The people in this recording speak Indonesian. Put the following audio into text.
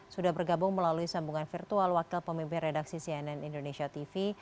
sudah bergabung melalui sambungan virtual wakil pemimpin redaksi cnn indonesia tv